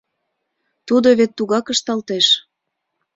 Тудо вет тугак ышталтеш.